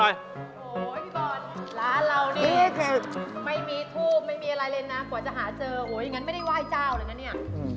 โอ๊ยพี่บอลร้านเรานี่ไม่มีทูปไม่มีอะไรเลยนะ